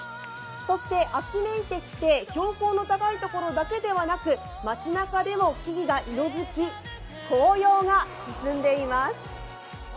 そして、秋めいてきて標高の高いところだけではなく街なかでも木々が色づき、紅葉が進んでいます。